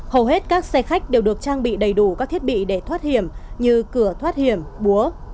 hầu hết các xe khách đều được trang bị đầy đủ các thiết bị để thoát hiểm như cửa thoát hiểm búa